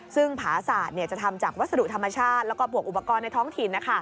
ซึ่งผาศาสตร์จะทำจากวัสดุธรรมชาติแล้วก็บวกอุปกรณ์ในท้องถิ่น